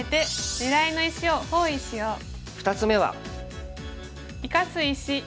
２つ目は。